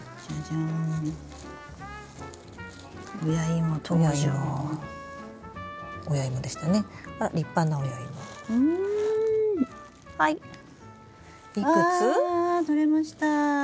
あとれました。